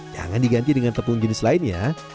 jangan diganti dengan tepung jenis lain ya